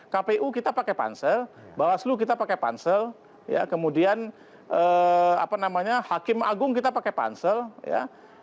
kpu kita pakai pansel bawaslu kita pakai pansel ya kemudian apa namanya hakim agung kita pakai pansel ya